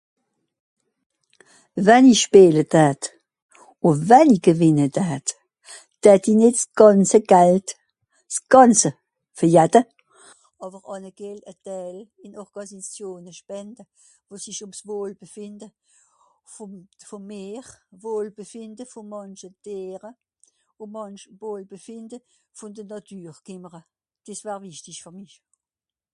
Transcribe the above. wann'i schpeele d'hatt o wann'i gewìnne d'hatt d'hatti nìt s'gànze gald s'gànze ver yatte àwer ànne gehn a teil àn organisationspender wo s'ìsch ìm s'voll befìnde vom vom d'maire wohlbefìnde von mànche deere ùn mànchmòl befìnde von die nàture bekemere des war wichtig fer mich